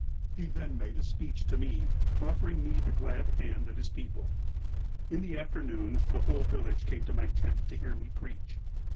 ''He then made a speech to me, offering me the glad hand of his people. " In the afternoon, the whole village came to my tent to hear me preach.